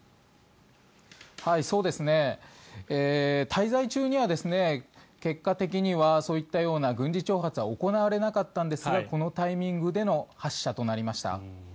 滞在中には結果的にはそういったような軍事挑発は行われなかったんですがこのタイミングでの発射となりました。